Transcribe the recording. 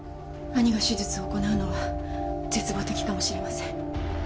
兄が手術を行なうのは絶望的かもしれません。